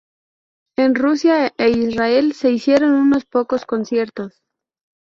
En Rusia e Israel se hicieron unos pocos conciertos.